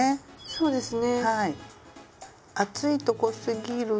そうですね。